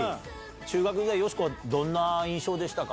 中学時代、よしこはどんな印象でしたか？